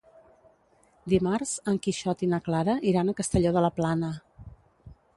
Dimarts en Quixot i na Clara iran a Castelló de la Plana.